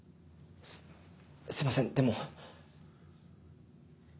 すすいませんでも。